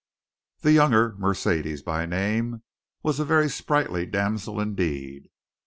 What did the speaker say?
The younger, Mercedes by name, was a very sprightly damsel indeed.